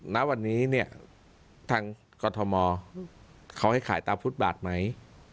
ณวันนี้เนี่ยทางกรทมเขาให้ขายตามฟุตบาทไหม